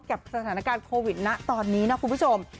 กับสถานการณ์โควิดนะตอนนี้นะคุณผู้ชม